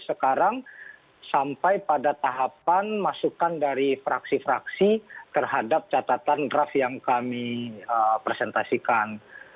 sekarang sampai pada tahapan masukan dari fraksi fraksi terhadap catatan draft yang kami presentasikan